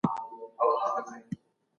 ساده ژبه تر ګراني ژبي غوره ده.